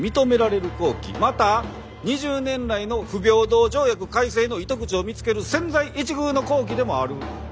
また２０年来の不平等条約改正の糸口を見つける千載一遇の好機でもある。